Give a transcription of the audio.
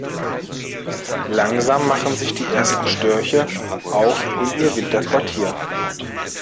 Langsam machen sich die ersten Störche auf in ihr Winterquartier.